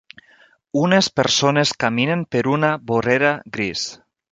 Unes persones caminen per una vorera gris